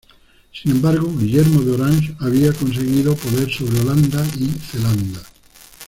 Sin embargo, Guillermo de Orange había conseguido poder sobre Holanda y Zelanda.